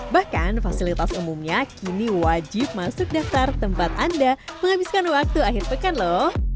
bahkan fasilitas umumnya kini wajib masuk daftar tempat anda menghabiskan waktu akhir pekan lho